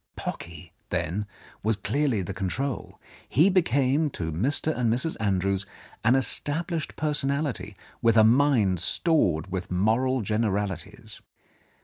Pocky, then, was clearly the control ; he became to Mr. and Mrs. Andrews an established personality with a mind stored with moral generalities.